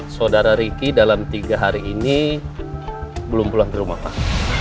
saudara riki dalam tiga hari ini belum pulang ke rumah pak